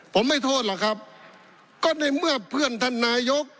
ผมไม่โทษหรอกครับก็ในเมื่อเพื่อนท่านนายก